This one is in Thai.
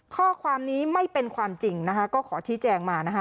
ข้อความนี้ไม่เป็นความจริงนะคะก็ขอชี้แจงมานะคะ